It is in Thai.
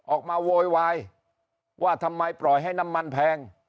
โวยวายว่าทำไมปล่อยให้น้ำมันแพง